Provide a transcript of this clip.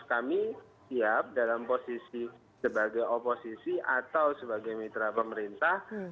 kami siap dalam posisi sebagai oposisi atau sebagai mitra pemerintah